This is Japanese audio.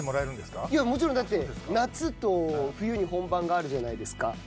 夏と冬に本番があるじゃないですか。